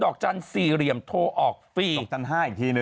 ดอกจัน๕อีกทีนึง